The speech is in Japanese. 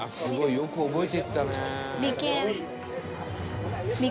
よく覚えていったね」